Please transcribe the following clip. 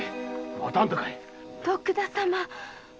徳田様。